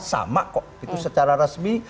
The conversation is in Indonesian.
sama kok itu secara resmi